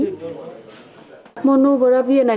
không chỉ giao bán với giá cao